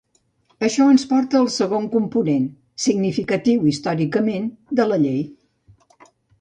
Això ens porta al segon component significatiu històricament de la Llei.